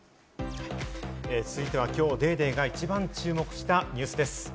続いては今日『ＤａｙＤａｙ．』が一番注目したニュースです。